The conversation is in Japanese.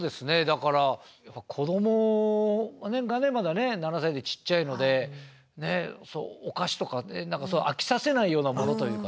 だから子どもがまだ７歳でちっちゃいのでお菓子とか何か飽きさせないようなものというかね。